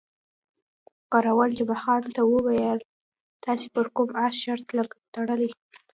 کراول جمعه خان ته وویل، تاسې پر کوم اس شرط تړلی؟